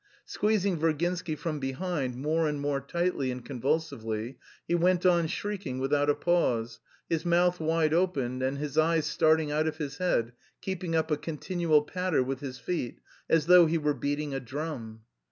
Squeezing Virginsky from behind more and more tightly and convulsively, he went on shrieking without a pause, his mouth wide open and his eyes starting out of his head, keeping up a continual patter with his feet, as though he were beating a drum.